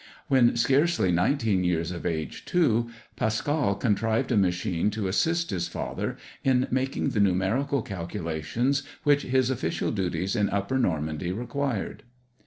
When scarcely 19 years of age, too, Pascal contrived a machine to assist his father in making the numerical calculations which his official duties in Upper Normandy required.